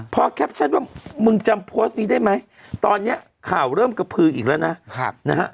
พอแคปชั่นว่ามึงจำโพสต์นี้ได้ไหมตอนนี้ข่าวเริ่มกระพืออีกแล้วนะนะฮะ